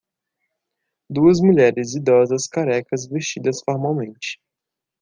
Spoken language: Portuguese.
Duas mulheres idosas carecas vestidas formalmente